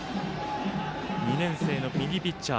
２年生の右ピッチャー